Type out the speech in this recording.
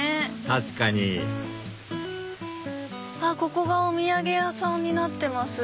確かにここがお土産屋さんになってます。